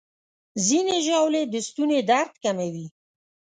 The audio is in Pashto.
ځینې ژاولې د ستوني درد کموي.